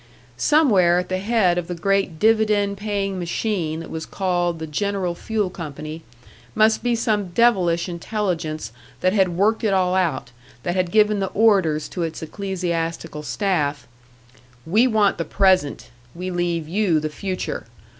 Somewhere at the head of the great dividend paying machine that was called the General Fuel Company must be some devilish intelligence that had worked it all out, that had given the orders to its ecclesiastical staff: "We want the present we leave you the future!